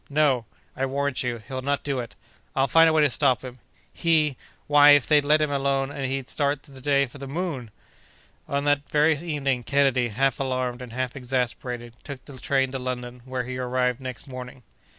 No! I warrant you, he'll not do it! I'll find a way to stop him! He! why if they'd let him alone, he'd start some day for the moon!" On that very evening Kennedy, half alarmed, and half exasperated, took the train for London, where he arrived next morning.